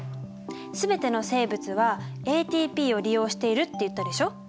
全ての生物はＡＴＰを利用しているって言ったでしょ？